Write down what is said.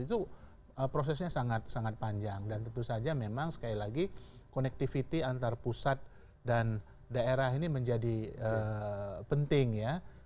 itu prosesnya sangat sangat panjang dan tentu saja memang sekali lagi connectivity antar pusat dan daerah ini menjadi penting ya